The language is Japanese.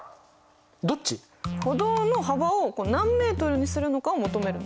歩道の幅を何メートルにするのかを求めるの。